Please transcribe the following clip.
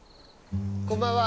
こんばんは。